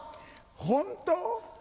「本当」？